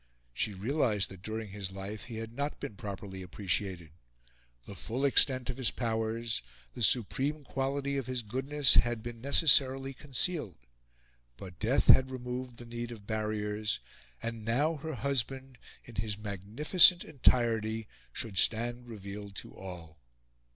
She realised that during his life he had not been properly appreciated; the full extent of his powers, the supreme quality of his goodness, had been necessarily concealed; but death had removed the need of barriers, and now her husband, in his magnificent entirety, should stand revealed to all.